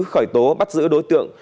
khỏi tố bắt giữ đối tượng